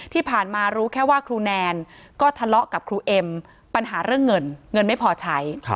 ที่ผ่านมารู้แค่ว่าครูแนนก็ทะเลาะกับครูเอ็มปัญหาเรื่องเงินเงินไม่พอใช้